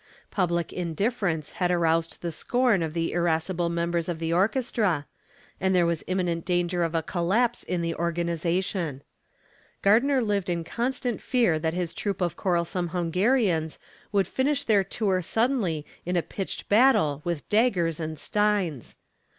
Public indifference had aroused the scorn of the irascible members of the orchestra, and there was imminent danger of a collapse in the organization. Gardner lived in constant fear that his troop of quarrelsome Hungarians would finish their tour suddenly in a pitched battle with daggers and steins.